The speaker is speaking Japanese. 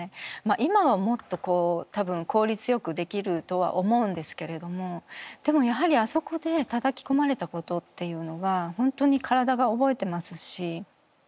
今はもっと多分効率よくできるとは思うんですけれどもでもやはりあそこでたたき込まれたことっていうのは本当に体が覚えてますし。